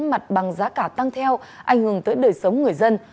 mặt bằng giá cả tăng theo ảnh hưởng tới đời sống người dân